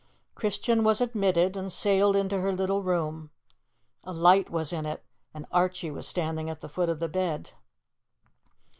Christian was admitted and sailed into her little room. A light was in it and Archie was standing at the foot of the bed.